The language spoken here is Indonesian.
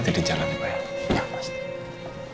hati hati di jalan ibu ya